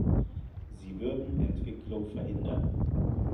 Sie würden Entwicklung verhindern.